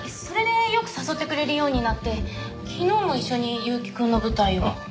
それでよく誘ってくれるようになって昨日も一緒に結城くんの舞台を。